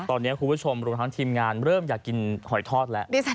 ตอนนี้คุณผู้ชมรวมทั้งทีมงานเริ่มอยากกินหอยทอดแล้ว